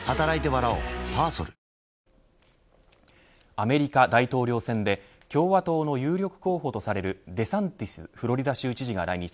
アメリカ大統領選で共和党の有力候補とされるデサンティスフロリダ州知事が来日。